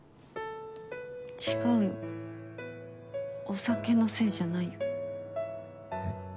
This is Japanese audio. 違うよお酒のせいじゃないよ。えっ？